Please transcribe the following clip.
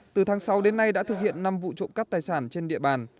từ tháng sáu đến nay đã thực hiện năm vụ trộm cắp tài sản trên địa bàn